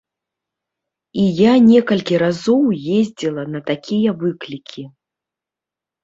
І я некалькі разоў ездзіла на такія выклікі.